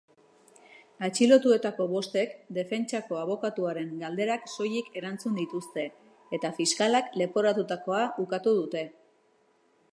Atxilotuetako bostek defentsako abokatuaren galderak soilik erantzun dituzte eta fiskalak leporatutakoa ukatu dute.